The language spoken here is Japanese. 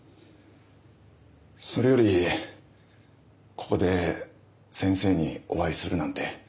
それよりここで先生にお会いするなんて